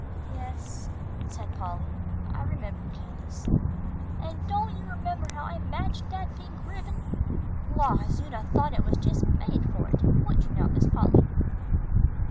"Yes," said Polly, "I remember, Candace." "An' don' you 'member how I matched dat pink ribbin? Laws, you'd 'a' thought it was jus' made for it, wouldn't you now, Miss Polly?"